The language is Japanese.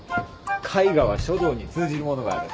絵画は書道に通じるものがある